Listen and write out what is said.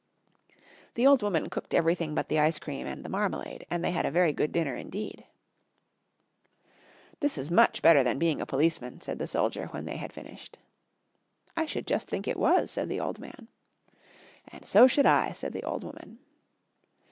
The old woman cooked everything but the ice cream and the marmalade, and they had a very good dinner indeed. "This is much better than being a policeman," said the soldier when they had finished. "I should just think it was," said the old man. "And so should I," said the old woman.